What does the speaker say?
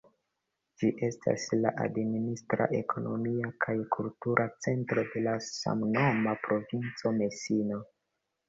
Ĝi estas la administra, ekonomia kaj kultura centro de la samnoma provinco Mesino.